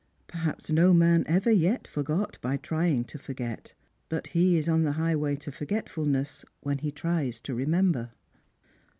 Perhaps no man ever yet forgot by trying to forget : but he is on the highway to forgetfulness when he tries to remember.